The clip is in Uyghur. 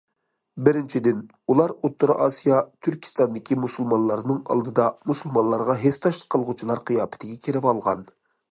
بىرىنچىدىن، ئۇلار ئوتتۇرا ئاسىيا- تۈركىستاندىكى مۇسۇلمانلارنىڭ ئالدىدا مۇسۇلمانلارغا ھېسداشلىق قىلغۇچىلار قىياپىتىگە كىرىۋالغان.